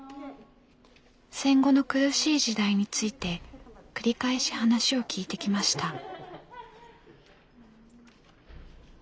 戦後の苦しい時代について繰り返し話を聞いてきました。